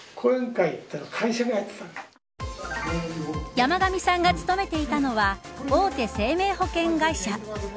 山神さんが務めていたのは大手生命保険会社。